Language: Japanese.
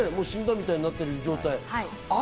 凌介の遺影で死んだみたいになってる状態。